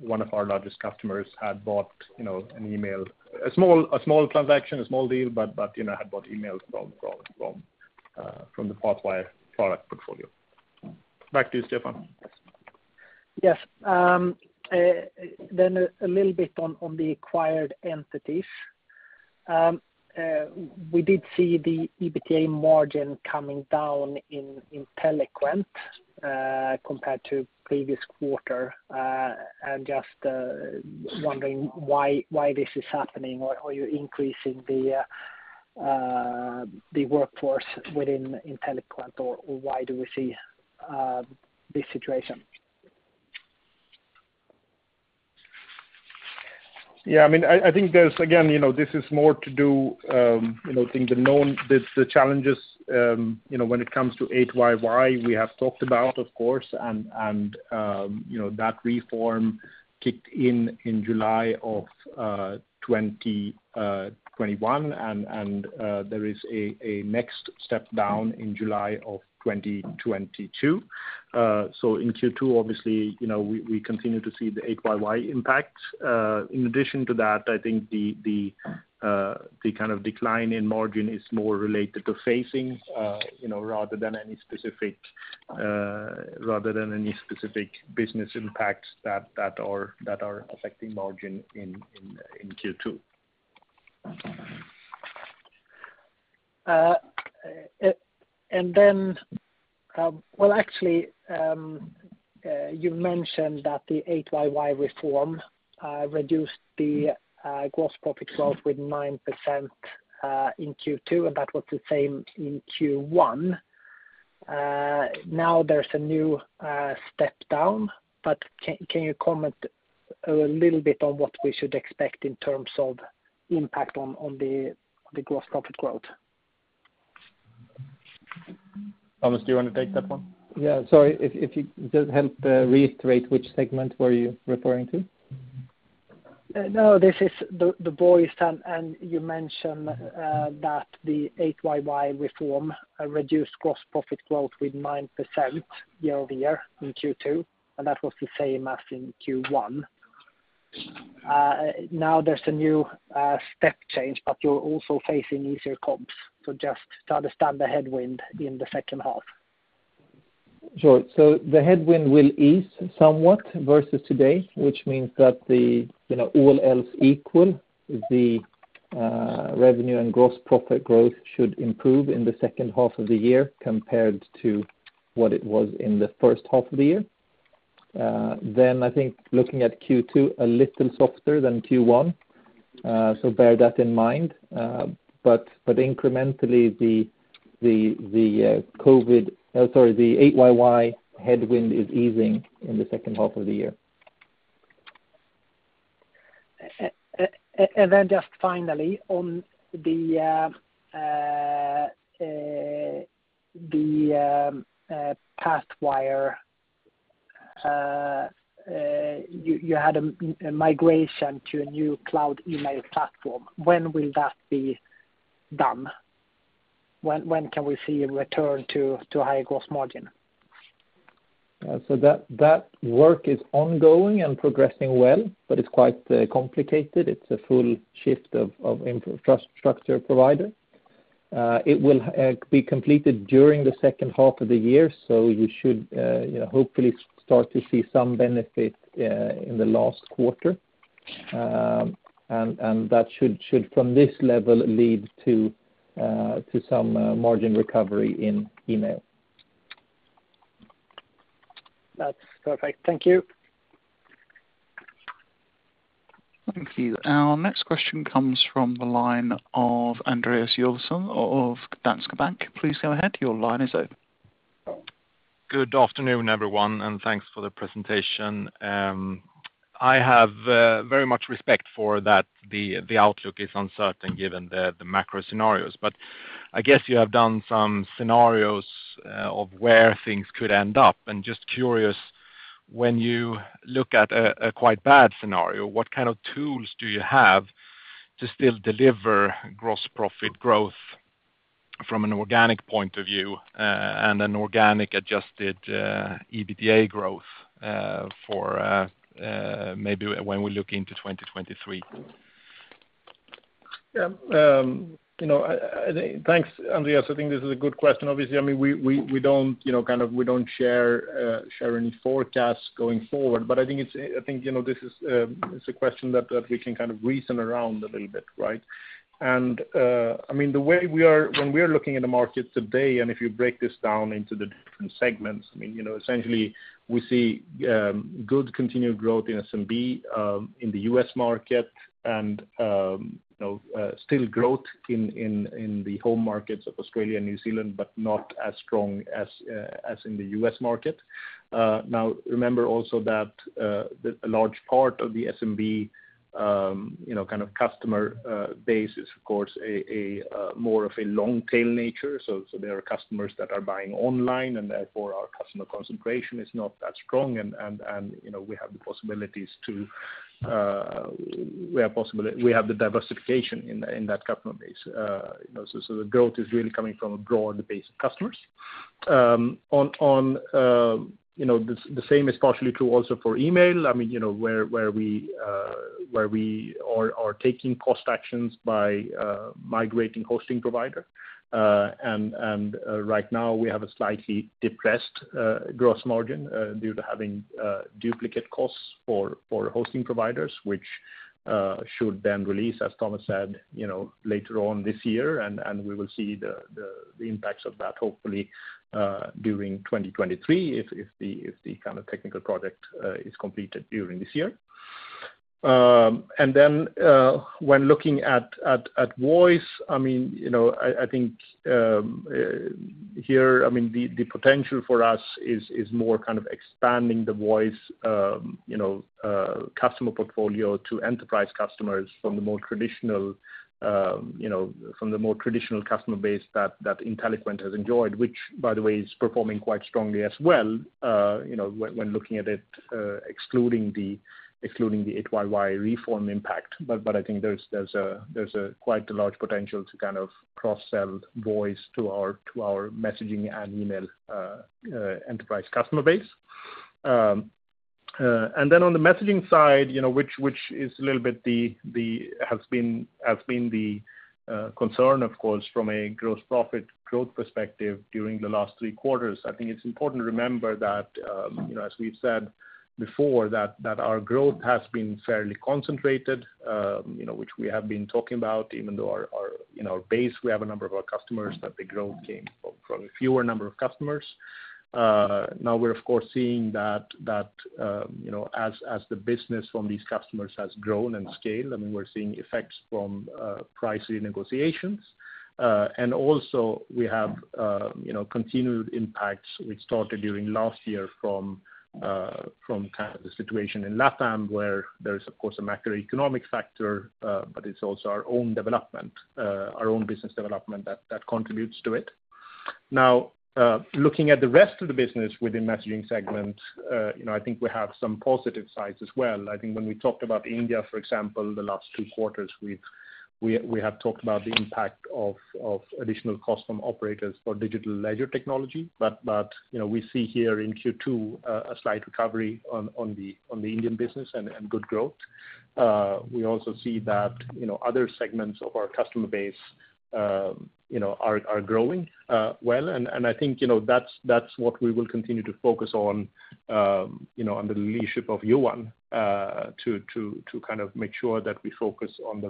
one of our largest customers had bought, you know, an email. A small transaction, a small deal, but you know, had bought emails from the Pathwire product portfolio. Back to you, Stefan. Yes. A little bit on the acquired entities. We did see the EBITDA margin coming down in Inteliquent compared to previous quarter. I'm just wondering why this is happening. Are you increasing the workforce within Inteliquent, or why do we see this situation? Yeah, I mean, I think there's again, you know, this is more to do, you know, I think the challenges, you know, when it comes to 8YY, we have talked about, of course, and you know, that reform kicked in in July of 2021, and there is a next step down in July of 2022. In Q2 obviously, you know, we continue to see the 8YY impact. In addition to that, I think the kind of decline in margin is more related to phasing, you know, rather than any specific business impacts that are affecting margin in Q2. Well, actually, you mentioned that the 8YY reform reduced the gross profit growth with 9% in Q2, and that was the same in Q1. Now there's a new step down, but can you comment a little bit on what we should expect in terms of impact on the gross profit growth? Thomas, do you wanna take that one? Yeah. Sorry, if you just help reiterate which segment were you referring to? No, this is the voice, and you mentioned that the 8YY reform reduced gross profit growth with 9% year-over-year in Q2, and that was the same as in Q1. Now there's a new step change, but you're also facing easier comps. Just to understand the headwind in the second half. Sure. The headwind will ease somewhat versus today, which means that the you know all else equal the revenue and gross profit growth should improve in the second half of the year compared to what it was in the first half of the year. I think looking at Q2 a little softer than Q1 so bear that in mind. Incrementally the 8YY headwind is easing in the second half of the year. Just finally on the Pathwire, you had a migration to a new cloud email platform. When will that be done? When can we see a return to higher gross margin? That work is ongoing and progressing well, but it's quite complicated. It's a full shift of infrastructure trust structure provider. It will be completed during the second half of the year. You should, you know, hopefully start to see some benefit in the last quarter. That should from this level lead to some margin recovery in email. That's perfect. Thank you. Thank you. Our next question comes from the line of Andreas Joelsson of Danske Bank. Please go ahead. Your line is open. Good afternoon, everyone, and thanks for the presentation. I have very much respect for that the outlook is uncertain given the macro scenarios. I guess you have done some scenarios of where things could end up, and just curious, when you look at a quite bad scenario, what kind of tools do you have to still deliver gross profit growth from an organic point of view, and an organic adjusted EBITDA growth, for maybe when we look into 2023? Yeah, you know, I think. Thanks, Andreas. I think this is a good question. Obviously, I mean, we don't share any forecasts going forward, but I think it's a question that we can kind of reason around a little bit, right? When we are looking at the market today, and if you break this down into the different segments, I mean, you know, essentially we see good continued growth in SMB in the U.S. market and still growth in the home markets of Australia and New Zealand, but not as strong as in the U.S. market. Now, remember also that a large part of the SMB, you know, kind of customer base is of course more of a long tail nature. There are customers that are buying online, and therefore our customer concentration is not that strong and you know we have the diversification in that customer base. You know, the growth is really coming from a broad base of customers. On the same is partially true also for email. I mean, you know, where we are taking cost actions by migrating hosting provider. Right now we have a slightly depressed gross margin due to having duplicate costs for hosting providers, which should then release, as Thomas said, you know, later on this year. We will see the impacts of that hopefully during 2023 if the kind of technical project is completed during this year. When looking at voice, I mean, you know, I think, here, I mean, the potential for us is more kind of expanding the voice, you know, customer portfolio to enterprise customers from the more traditional customer base that Inteliquent has enjoyed. Which by the way, is performing quite strongly as well, you know, when looking at it, excluding the 8YY reform impact. I think there's quite a large potential to kind of cross-sell voice to our messaging and email enterprise customer base. Then on the messaging side, you know, which has been the concern of course from a gross profit growth perspective during the last three quarters. I think it's important to remember that, you know, as we've said before that our growth has been fairly concentrated, you know, which we have been talking about, even though in our base we have a number of our customers, but the growth came from a fewer number of customers. Now we're of course seeing that, you know, as the business from these customers has grown and scaled, I mean, we're seeing effects from pricing negotiations. And also we have, you know, continued impacts which started during last year from kind of the situation in LatAm where there is of course a macroeconomic factor. It's also our own development, our own business development that contributes to it. Now, looking at the rest of the business within messaging segment, you know, I think we have some positive sides as well. I think when we talked about India, for example, the last two quarters, we have talked about the impact of additional costs from operators for distributed ledger technology. You know, we see here in Q2 a slight recovery on the Indian business and good growth. We also see that, you know, other segments of our customer base, you know, are growing well, and I think, you know, that's what we will continue to focus on, you know, under the leadership of Johan, to kind of make sure that we focus on the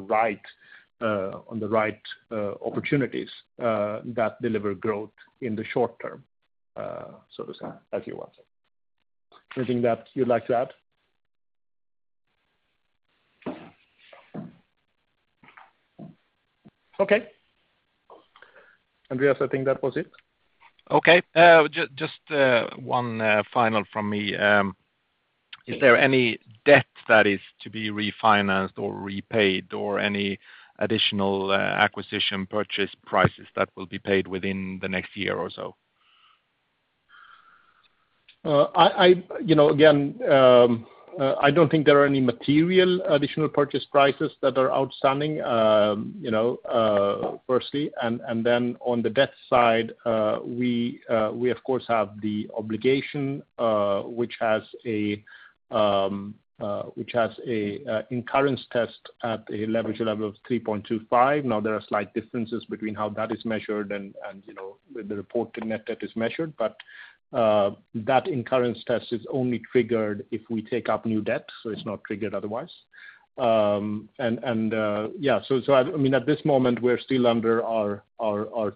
right opportunities that deliver growth in the short term, so to say. Johan, anything that you'd like to add? Okay. Andreas, I think that was it. Okay. Just one final from me. Is there any debt that is to be refinanced or repaid or any additional acquisition purchase prices that will be paid within the next year or so? You know, again, I don't think there are any material additional purchase prices that are outstanding, you know, firstly, and then on the debt side, we of course have the obligation, which has a incurrence test at a leverage level of 3.25. Now, there are slight differences between how that is measured and, you know, the reported net debt is measured, but that incurrence test is only triggered if we take up new debt, so it's not triggered otherwise. I mean, at this moment we're still under our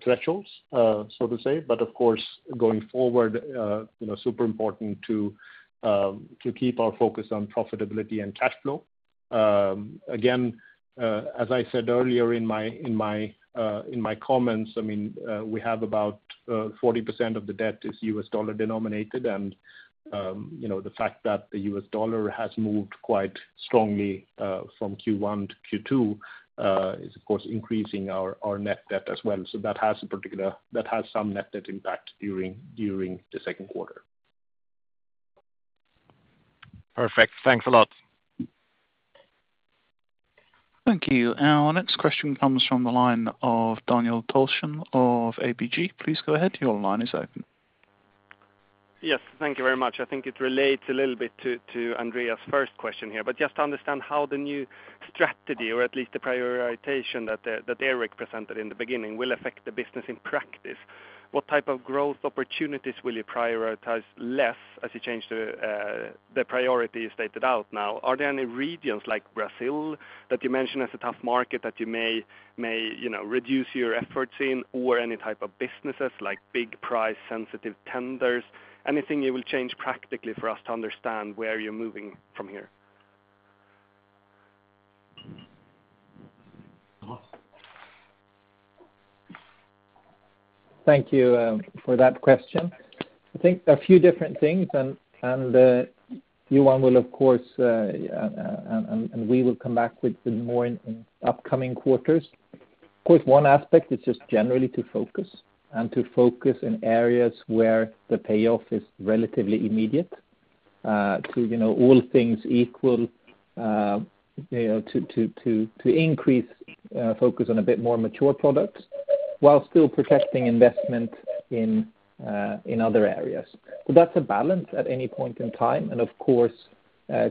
thresholds, so to say, but of course, going forward, you know, super important to keep our focus on profitability and cash flow. Again, as I said earlier in my comments, I mean, we have about 40% of the debt is U.S. dollar denominated and, you know, the fact that the U.S. dollar has moved quite strongly from Q1 to Q2 is of course increasing our net debt as well. That has some net debt impact during the second quarter. Perfect. Thanks a lot. Thank you. Our next question comes from the line of Daniel Thorsson of ABG Sundal Collier. Please go ahead, your line is open. Yes, thank you very much. I think it relates a little bit to Andreas's first question here. Just to understand how the new strategy, or at least the prioritization that Erik presented in the beginning, will affect the business in practice. What type of growth opportunities will you prioritize less as you change the priority set out now? Are there any regions like Brazil that you mentioned as a tough market that you may, you know, reduce your efforts in or any type of businesses, like big price sensitive tenders? Anything you will change practically for us to understand where you're moving from here? Thomas? Thank you for that question. I think a few different things and Johan will, of course, and we will come back with more in upcoming quarters. Of course, one aspect is just generally to focus in areas where the payoff is relatively immediate, you know, all things equal, you know, to increase focus on a bit more mature products while still protecting investment in other areas. So that's a balance at any point in time. Of course,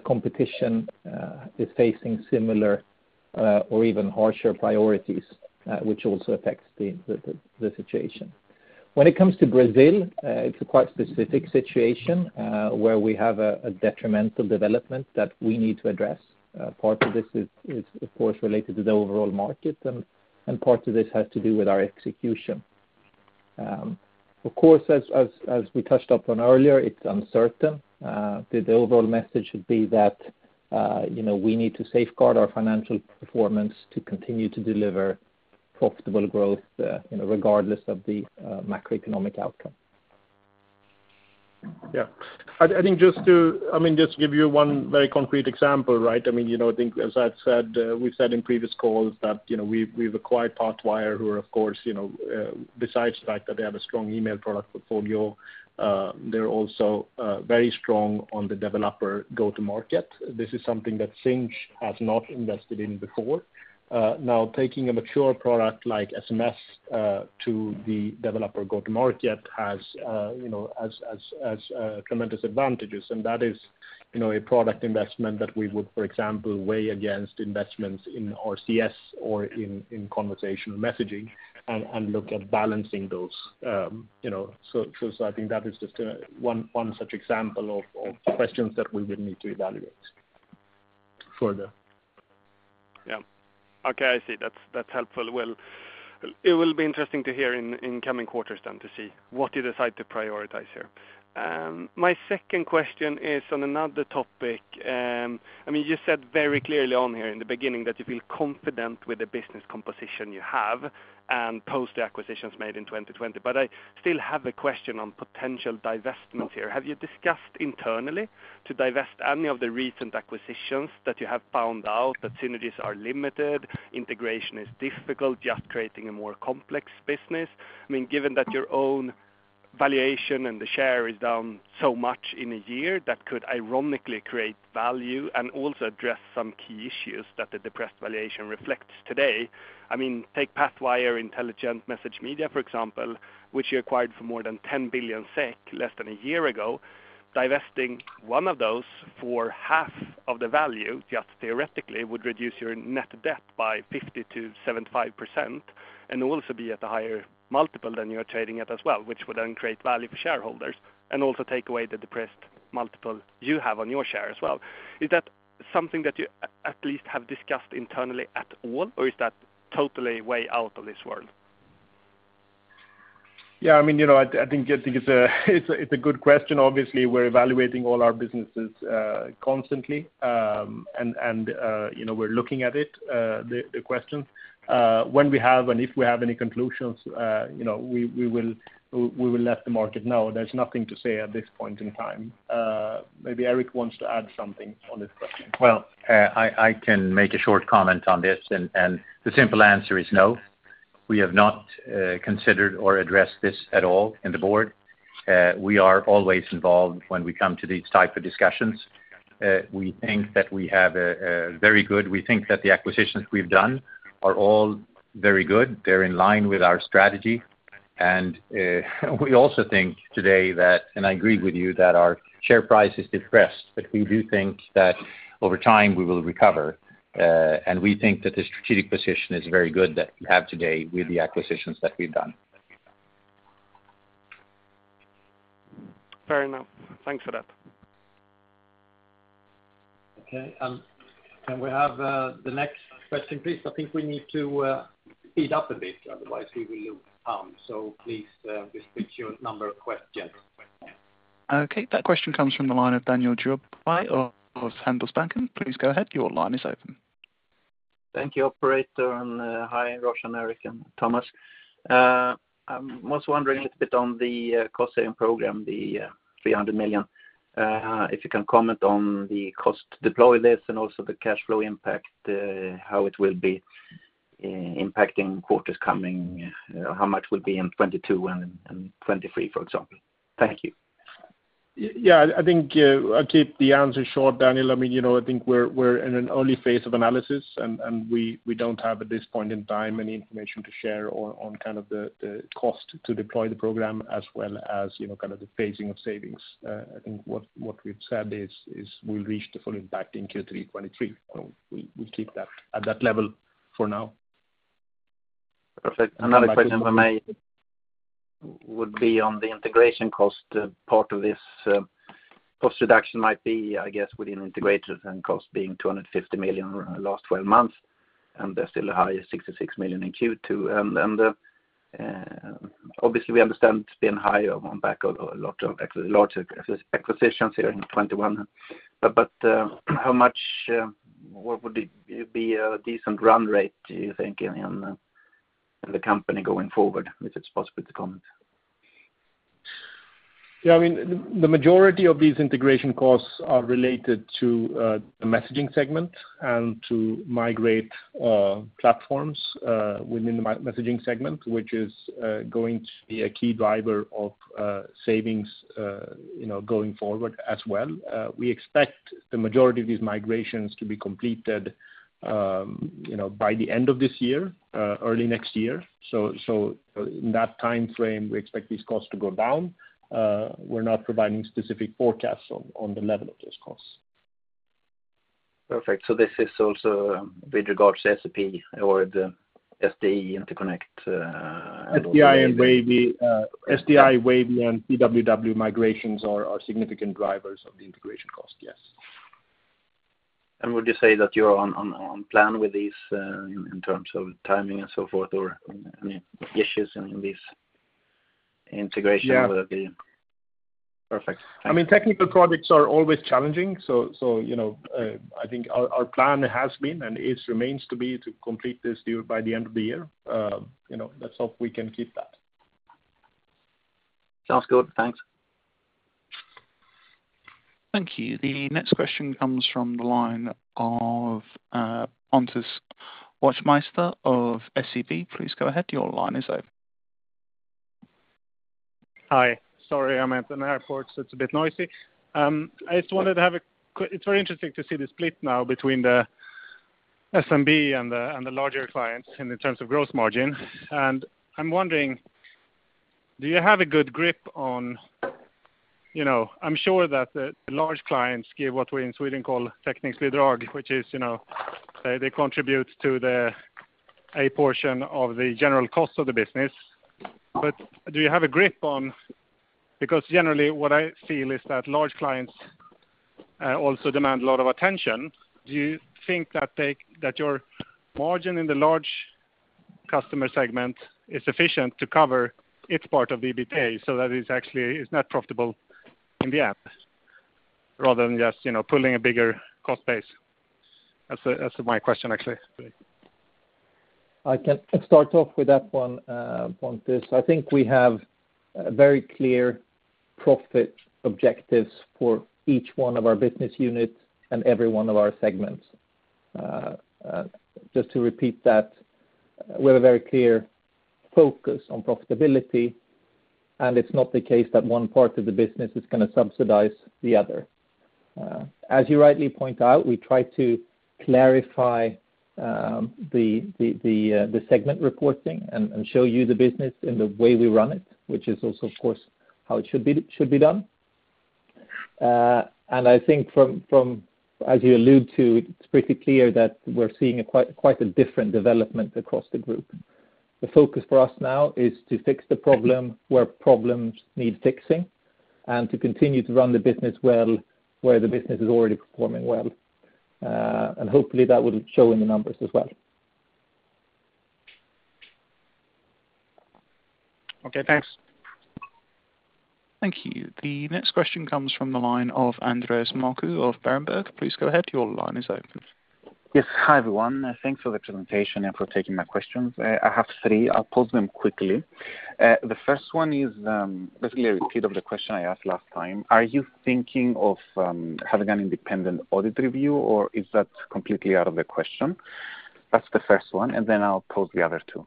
competition is facing similar or even harsher priorities, which also affects the situation. When it comes to Brazil, it's a quite specific situation, where we have a detrimental development that we need to address. Part of this is of course related to the overall market and part of this has to do with our execution. Of course, as we touched upon earlier, it's uncertain. The overall message would be that you know we need to safeguard our financial performance to continue to deliver profitable growth you know regardless of the macroeconomic outcome. Yeah. I think just to give you one very concrete example, right? I mean, you know, I think as I've said, we've said in previous calls that, you know, we've acquired Pathwire, who are of course, you know, besides the fact that they have a strong email product portfolio, they're also very strong on the developer go-to-market. This is something that Sinch has not invested in before. Now taking a mature product like SMS to the developer go-to-market has tremendous advantages. That is a product investment that we would, for example, weigh against investments in RCS or in conversational messaging and look at balancing those, you know. I think that is just one such example of questions that we would need to evaluate further. Yeah. Okay, I see. That's helpful. Well, it will be interesting to hear in coming quarters then to see what you decide to prioritize here. My second question is on another topic. I mean, you said very clearly on here in the beginning that you feel confident with the business composition you have and post acquisitions made in 2020. I still have a question on potential divestments here. Have you discussed internally to divest any of the recent acquisitions that you have found out that synergies are limited, integration is difficult, just creating a more complex business? I mean, given that your own valuation and the share is down so much in a year, that could ironically create value and also address some key issues that the depressed valuation reflects today. I mean, take Pathwire, Inteliquent, MessageMedia, for example, which you acquired for more than 10 billion SEK less than a year ago. Divesting one of those for half of the value, just theoretically, would reduce your net debt by 50% to 75% and also be at a higher multiple than you are trading at as well, which would then create value for shareholders and also take away the depressed multiple you have on your share as well. Is that something that you at least have discussed internally at all, or is that totally way out of this world? Yeah, I mean, you know, I think it's a good question. Obviously, we're evaluating all our businesses constantly. You know, we're looking at it, the question. When we have and if we have any conclusions, you know, we will let the market know. There's nothing to say at this point in time. Maybe Erik wants to add something on this question. Well, I can make a short comment on this, and the simple answer is no. We have not considered or addressed this at all in the board. We are always involved when we come to these type of discussions. We think that the acquisitions we've done are all very good. They're in line with our strategy. We also think today that, and I agree with you, that our share price is depressed. We do think that over time we will recover. We think that the strategic position is very good that we have today with the acquisitions that we've done. Fair enough. Thanks for that. Okay. Can we have the next question please? I think we need to speed up a bit, otherwise we will lose time. Please, restrict your number of questions. Okay. That question comes from the line of Daniel Johansson of Handelsbanken Capital Markets. Please go ahead. Your line is open. Thank you, operator. Hi, Roshan, Erik, and Thomas. I was wondering a little bit on the cost-saving program, the 300 million. If you can comment on the cost deployment and also the cash flow impact, how it will be impacting coming quarters. How much will be in 2022 and 2023, for example? Thank you. Yeah, I think I'll keep the answer short, Daniel. I mean, you know, I think we're in an early phase of analysis and we don't have at this point in time any information to share on kind of the cost to deploy the program as well as, you know, kind of the phasing of savings. I think what we've said is we'll reach the full impact in Q3 2023. We'll keep that at that level for now. Perfect. Another question, if I may, would be on the integration cost. Part of this, cost reduction might be, I guess, within integration and cost being 250 million last twelve months, and they're still high at 66 million in Q2. Obviously we understand it's been higher on back of a lot of larger acquisitions here in 2021. How much, what would be a decent run rate, do you think, in the company going forward, if it's possible to comment? Yeah. I mean, the majority of these integration costs are related to the messaging segment and to migrate platforms within the messaging segment, which is going to be a key driver of savings, you know, going forward as well. We expect the majority of these migrations to be completed, you know, by the end of this year, early next year. In that timeframe, we expect these costs to go down. We're not providing specific forecasts on the level of those costs. Perfect. This is also with regards to SAP or the SDI interconnect. SDI, Wavy, and PW migrations are significant drivers of the integration cost, yes. Would you say that you're on plan with these in terms of timing and so forth, or any issues in this integration? Yeah. Perfect. I mean, technical projects are always challenging. You know, I think our plan has been and is remains to be to complete this deal by the end of the year. You know, let's hope we can keep that. Sounds good. Thanks. Thank you. The next question comes from the line of, Pontus Wachtmeister of Skandinaviska Enskilda Banken AB. Please go ahead. Your line is open. Hi. Sorry, I'm at an airport, so it's a bit noisy. I just wanted to have. It's very interesting to see the split now between the SMB and the larger clients in terms of growth margin. I'm wondering, do you have a good grip on. You know, I'm sure that the large clients give what we in Sweden call technically. which is, you know, they contribute to a portion of the general cost of the business. Do you have a grip on? Because generally what I feel is that large clients also demand a lot of attention. Do you think that your margin in the large customer segment is sufficient to cover its part of the BPA, so that is actually net profitable in the P&L rather than just, you know, pulling a bigger cost base? That's my question, actually. I can start off with that one, Pontus. I think we have very clear profit objectives for each one of our business units and every one of our segments. Just to repeat that, we have a very clear focus on profitability, and it's not the case that one part of the business is gonna subsidize the other. As you rightly point out, we try to clarify the segment reporting and show you the business in the way we run it, which is also of course how it should be done. I think from, as you allude to, it's pretty clear that we're seeing quite a different development across the group. The focus for us now is to fix the problem where problems need fixing and to continue to run the business well where the business is already performing well. Hopefully that will show in the numbers as well. Okay, thanks. Thank you. The next question comes from the line of Andreas Markou of Berenberg. Please go ahead. Your line is open. Yes. Hi, everyone. Thanks for the presentation and for taking my questions. I have three. I'll pose them quickly. The first one is basically a repeat of the question I asked last time. Are you thinking of having an independent audit review, or is that completely out of the question? That's the first one, and then I'll pose the other two.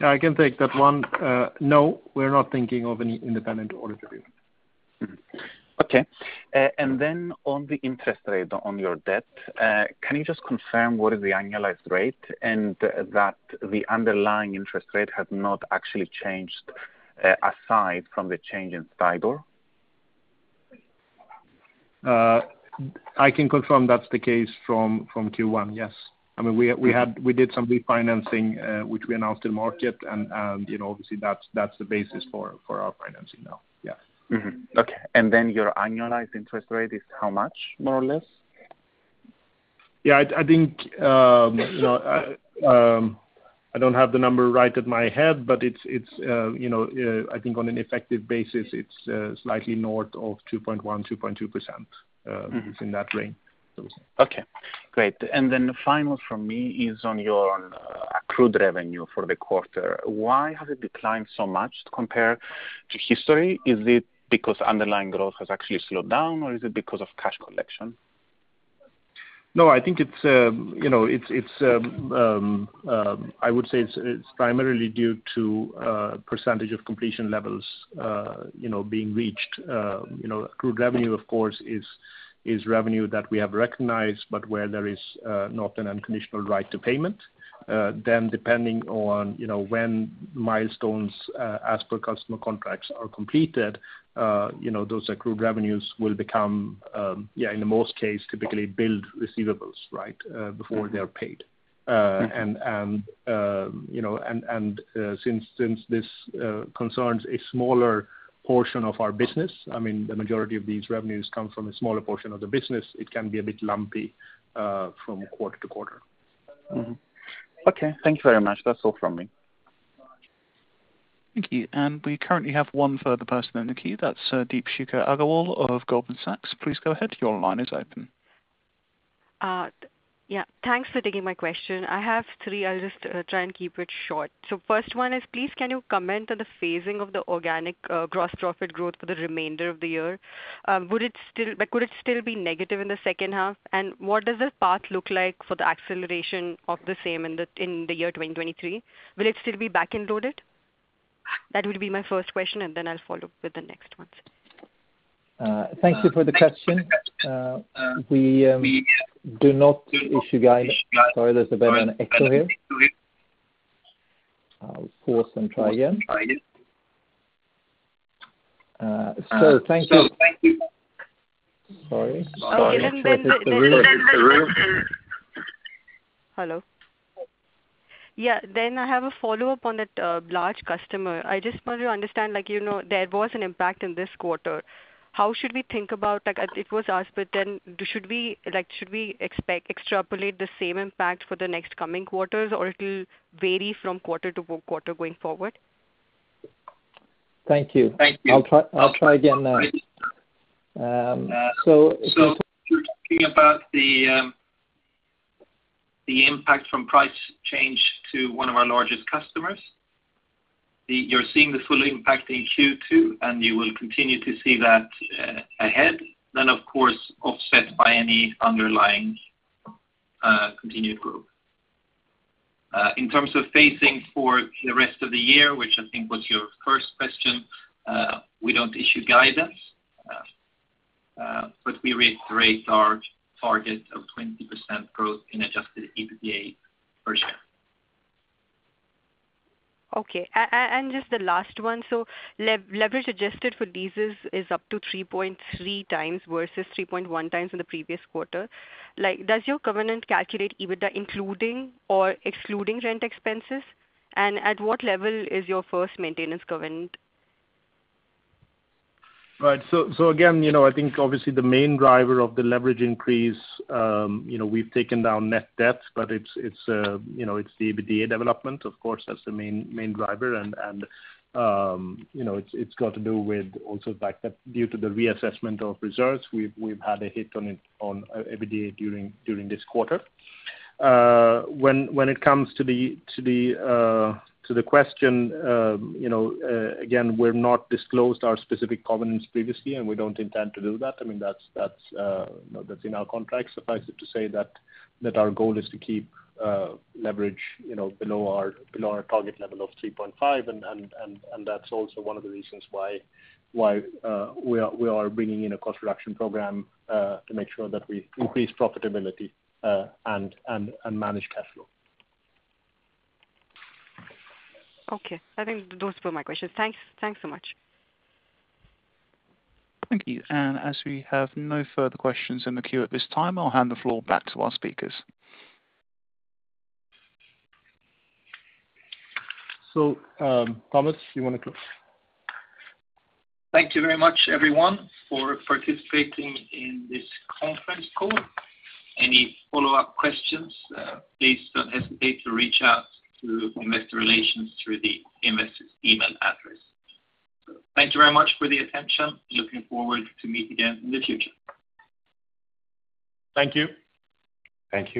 Yeah, I can take that one. No, we're not thinking of any independent audit review. On the interest rate on your debt, can you just confirm what is the annualized rate and that the underlying interest rate has not actually changed, aside from the change in STIBOR? I can confirm that's the case from Q1, yes. I mean, we did some refinancing, which we announced to the market and, you know, obviously, that's the basis for our financing now. Yes. Okay. Your annualized interest rate is how much, more or less? I think, you know, I don't have the number off the top of my head, but it's, you know, I think on an effective basis, it's slightly north of 2.1% to 2.2%. It's in that range. Okay, great. The final from me is on your accrued revenue for the quarter. Why has it declined so much compared to history? Is it because underlying growth has actually slowed down, or is it because of cash collection? No, I think it's you know, it's primarily due to percentage of completion levels you know, being reached. You know, accrued revenue, of course, is revenue that we have recognized, but where there is not an unconditional right to payment. Then, depending on you know, when milestones as per customer contracts are completed you know, those accrued revenues will become yeah, in most cases, typically billed receivables, right, before they're paid. You know, and since this concerns a smaller portion of our business, I mean, the majority of these revenues come from a smaller portion of the business, it can be a bit lumpy from quarter-to-quarter. Okay. Thank you very much. That's all from me. Thank you. We currently have one further person in the queue. That's Deepshikha Agarwal of Goldman Sachs. Please go ahead. Your line is open. Thanks for taking my question. I have three. I'll just try and keep it short. First one is, please can you comment on the phasing of the organic gross profit growth for the remainder of the year? Would it still like, could it still be negative in the second half? What does the path look like for the acceleration of the same in the year 2023? Will it still be back-ended loaded? That would be my first question, and then I'll follow up with the next ones. Thank you for the question. We do not issue guidance. Sorry, there's a bit of an echo here. I'll pause and try again. Thank you. Sorry. Even then, the- The room- Hello? Yeah. I have a follow-up on that large customer. I just want to understand, like, you know, there was an impact in this quarter. How should we think about, like, it was asked, but then should we extrapolate the same impact for the next coming quarters, or it will vary from quarter-to-quarter going forward? Thank you. I'll try again now. If you're talking about the impact from price change to one of our largest customers, you're seeing the full impact in Q2, and you will continue to see that ahead, then of course offset by any underlying continued growth. In terms of phasing for the rest of the year, which I think was your first question, we don't issue guidance. We reiterate our target of 20% growth in adjusted EBITDA per share. Just the last one. Leverage adjusted for leases is up to 3.3 times versus 3.1 times in the previous quarter. Like, does your covenant calculate EBITDA including or excluding rent expenses? And at what level is your first maintenance covenant? Right. Again, you know, I think obviously the main driver of the leverage increase, you know, we've taken down net debt, but it's, you know, it's the EBITDA development, of course, that's the main driver. You know, it's got to do with also the fact that due to the reassessment of reserves, we've had a hit on it, on EBITDA during this quarter. When it comes to the question, you know, again, we've not disclosed our specific covenants previously, and we don't intend to do that. I mean, that's, you know, that's in our contract. Suffice it to say that our goal is to keep leverage, you know, below our target level of 3.5, and that's also one of the reasons why we are bringing in a cost reduction program to make sure that we increase profitability and manage cash flow. Okay. I think those were my questions. Thanks. Thanks so much. Thank you. As we have no further questions in the queue at this time, I'll hand the floor back to our speakers. Thomas, you wanna close? Thank you very much, everyone, for participating in this conference call. Any follow-up questions, please don't hesitate to reach out to investor relations through the IR's email address. Thank you very much for the attention. Looking forward to meet again in the future. Thank you. Thank you.